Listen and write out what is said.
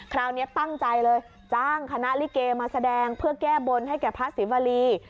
คราวนี้ตั้งใจเลยจ้างคณะลิเกมาแสดงเพื่อแก้บนให้แก่พระศรีวรี